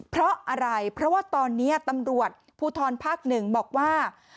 เพราะอะไรเพราะว่าตอนนี้ตำรวจภูทรภาค๑บอกว่า